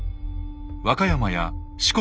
和歌山や四国